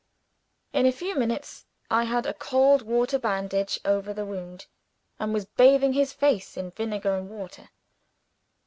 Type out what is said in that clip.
In a few minutes, I had a cold water bandage over the wound, and was bathing his face in vinegar and water.